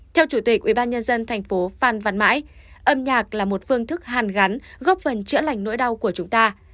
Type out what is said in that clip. theo chủ tịch ubnd tp phan văn mãi âm nhạc là một phương thức hàn gắn góp phần chữa lành nỗi đau của chúng ta